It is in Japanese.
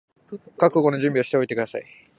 覚悟の準備をしておいてください